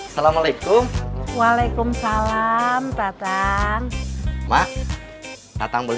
semoga cireaus akan semakin damai